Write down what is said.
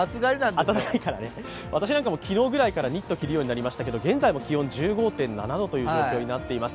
私も昨日ぐらいからニットを着るようにしたんですが現在も気温１５．７度という状況になっています。